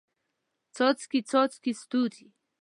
څاڅکي، څاڅکي ستوري